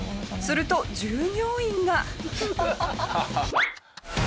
すると従業員が。